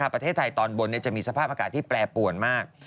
ประเทศไทยตอนบนจะมีสภาพอากาศที่แปรปวนมาก